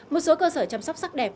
một số cơ sở chăm sóc sắc đẹp